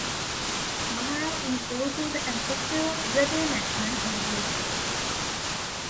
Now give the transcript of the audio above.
Maharal is also the ancestor of Rebbe Nachman of Breslov.